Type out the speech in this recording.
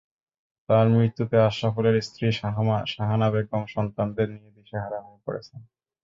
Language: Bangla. তাঁর মৃত্যুতে আশরাফুলের স্ত্রী শাহানা বেগম সন্তানদের নিয়ে দিশেহারা হয়ে পড়েছেন।